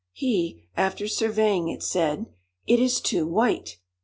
He, after surveying it, said, '_It is too white!